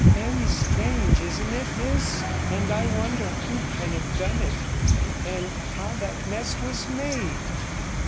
Very strange, isn't it, miss? and I wonder who can have done it, and how that mess was made.'